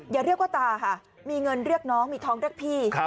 อย่าเรียกว่าตาค่ะมีเงินเรียกน้องมีท้องเรียกพี่